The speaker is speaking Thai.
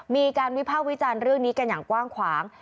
มีการวิภาควิจารณ์เรื่องนี้กันอย่างกว้างขวาง